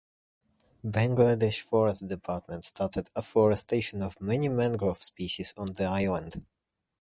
Bangladesh forest department started afforestation of many mangrove species on the island.